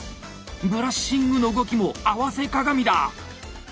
ブラッシングの動きも合わせ鏡だ。